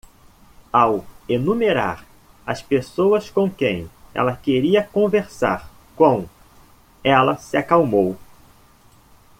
Ao enumerar as pessoas com quem ela queria conversar com?, ela se acalmou.